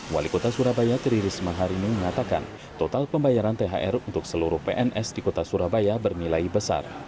wali kota surabaya tri risma hari ini mengatakan total pembayaran thr untuk seluruh pns di kota surabaya bernilai besar